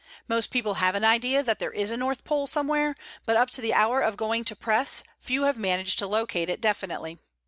Most people have an idea that there is a North Pole somewhere, but up to the hour of going to press few have managed to locate it definitely.